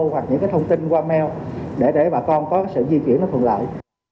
hoặc những thông tin qua mail để bà con có sự di chuyển thuận lợi